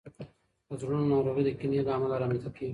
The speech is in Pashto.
د زړونو ناروغۍ د کینې له امله رامنځته کیږي.